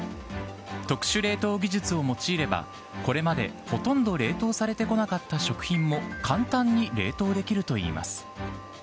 特殊冷凍技術を用いれば、これまでほとんど冷凍されてこなかった食品も、簡単に冷凍できるといいます。